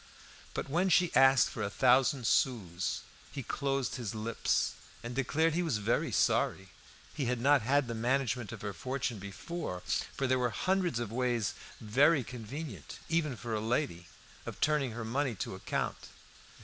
But when she asked for a thousand sous, he closed his lips, and declared he was very sorry he had not had the management of her fortune before, for there were hundreds of ways very convenient, even for a lady, of turning her money to account.